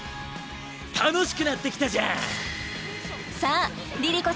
楽しくなってきたじゃんさあＬｉＬｉＣｏ